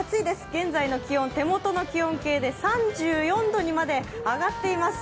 現在の気温、手元の気温計で３４度にまで上がっています。